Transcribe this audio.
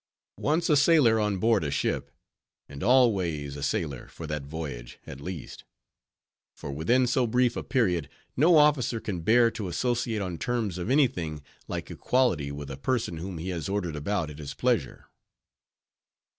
Once a sailor on board a ship, and always a sailor for that voyage, at least; for within so brief a period, no officer can bear to associate on terms of any thing like equality with a person whom he has ordered about at his pleasure.